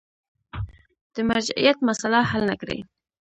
د مرجعیت مسأله حل نه کړي.